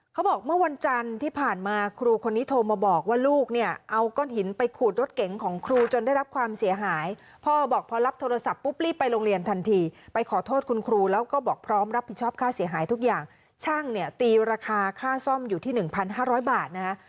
เขาบอกเมื่อวันจันทร์ที่ผ่านมาครูคนนี้โทรมาบอกว่าลูกเนี่ยเอาก้อนหินไปขูดรถเก๋งของครูจนได้รับความเสียหายพ่อบอกพอรับโทรศัพท์ปุ๊บรีบไปโรงเรียนทันทีไปขอโทษคุณครูแล้วก็บอกพร้อมรับผิดชอบค่าเสียหายทุกอย่างช่างเนี่ยตีราคาค่าซ่อมอยู่ที่๑๕๐๐บาทนะฮะ